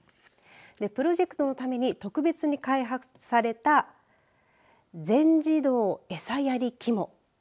プロジェクトのために特別に開発された全自動餌やり機も。